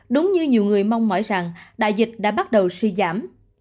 đúng như nhiều người mong mỏi rằng đại dịch đã bắt đầu suy giảm